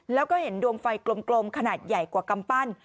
แล้วก็เห็นดวงไฟกลมขนาดใหญ่กว่ากำปั้น